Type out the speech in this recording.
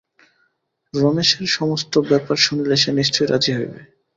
রমেশের সমস্ত ব্যাপার শুনিলে সে নিশ্চয় রাজি হইবে।